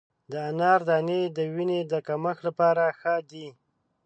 د انار دانې د وینې د کمښت لپاره ښه دي.